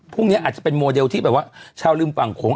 นี้อาจจะเป็นโมเดลที่แบบว่าชาวริมฝั่งโขง